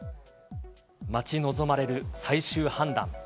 待ち望まれる最終判断。